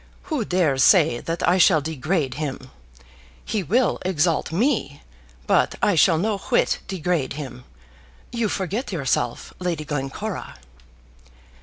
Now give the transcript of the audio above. Who dares say that I shall degrade him? He will exalt me, but I shall no whit degrade him. You forget yourself, Lady Glencora."